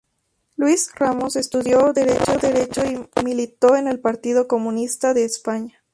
Luis Ramos estudió Derecho y militó en el Partido Comunista de España.